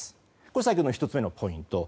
これが１つ目のポイント。